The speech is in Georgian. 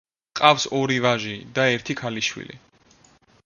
ჰყავს ორი ვაჟი და ერთი ქალიშვილი.